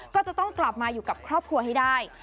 ก็จะต้องกลับมาอยู่กับครอบครัวให้ได้